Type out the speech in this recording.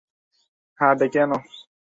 হ্যাঁ, ডেকে আনো।